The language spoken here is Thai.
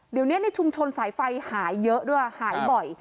เดี๋ยวนี้ในชุมชนสายไฟหายเยอะด้วยหายบ่อย